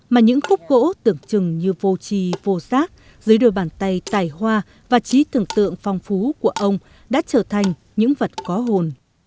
mà những khúc gỗ tưởng chừng như vô trì vô giác dưới đôi bàn tay tài hoa và trí tưởng tượng phong phú của ông đã trở thành những vật có hồn